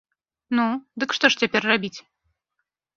Ну, дык што ж цяпер рабіць?